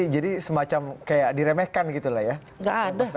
jadi semacam kayak diremehkan gitu lah ya mas wadigu